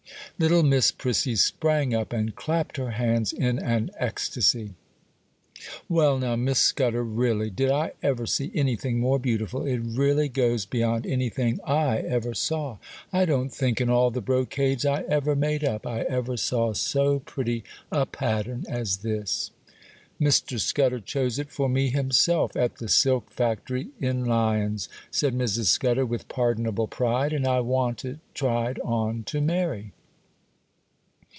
Little Miss Prissy sprang up and clapped her hands in an ecstasy. 'Well, now, Miss Scudder, really!—did I ever see anything more beautiful? It really goes beyond anything I ever saw. I don't think, in all the brocades I ever made up, I ever saw so pretty a pattern as this.' 'Mr. Scudder chose it for me himself, at the silk factory in Lyons,' said Mrs. Scudder, with pardonable pride, 'and I want it tried on to Mary.